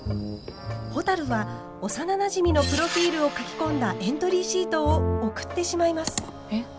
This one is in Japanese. ほたるは幼なじみのプロフィールを書き込んだエントリーシートを送ってしまいます。